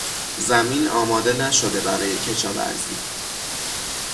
زمین آماده نشده برای کشاورزی